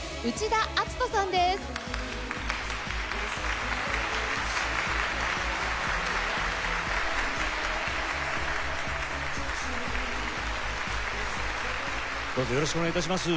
どうぞよろしくお願い致します。